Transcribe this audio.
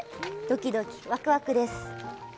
ドキドキ、ワクワクです！